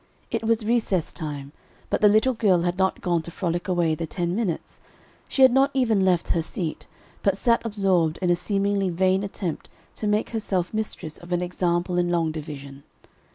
It was recess time, but the little girl had not gone to frolic away the ten minutes, she had not even left her seat, but sat absorbed in a seemingly vain attempt to make herself mistress of an example in long division.